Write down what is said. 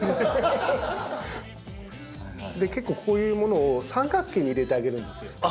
結構こういうものを三角形に入れてあげるんですよ。